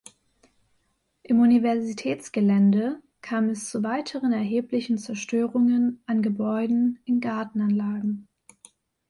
Im Universitätsgelände kam es zu weiteren erheblichen Zerstörungen an Gebäuden in Gartenanlagen.